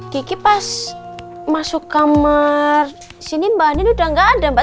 kiki pas masuk kamar sini mbak nini udah nggak ada mbak